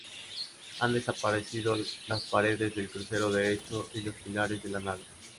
Han desaparecido las paredes del crucero derecho y los pilares de la nave.